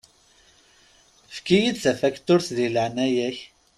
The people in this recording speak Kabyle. Efk-iyi-d tafakturt di leɛnaya-k.